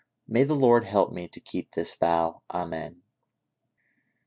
May the Lord help me to keep this vow ! Amen.'